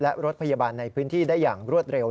และรถพยาบาลในพื้นที่ได้อย่างรวดเร็ว